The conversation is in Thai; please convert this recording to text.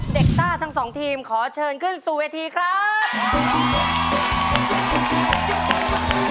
ต้าทั้งสองทีมขอเชิญขึ้นสู่เวทีครับ